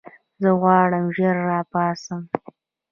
زه غواړم ژر راپاڅم.